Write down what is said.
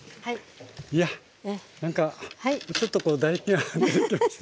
いやなんかちょっと唾液が出てきました。